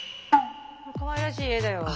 かわいらしい絵だよ。